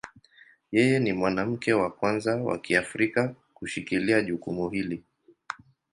Yeye ni mwanamke wa kwanza wa Kiafrika kushikilia jukumu hili.